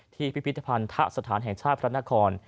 พิพิธภัณฑสถานแห่งชาติพระนคร